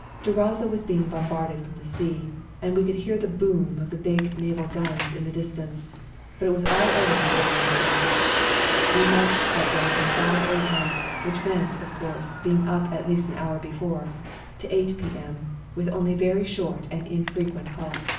Durazzo was being bombarded from the sea, and we could hear the boom of the big naval guns in the distance, but it was all over before we arrived. We marched that day from 5 a.m., which meant, of course, being up at least an hour before, to 8 p.m., with only very short and infrequent halts.